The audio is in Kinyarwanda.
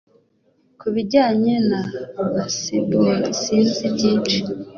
Ku bijyanye na baseball sinzi byinshi